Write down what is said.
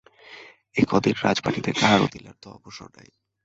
এ কয় দিন রাজবাটীতে কাহারও তিলার্ধ অবসর নাই।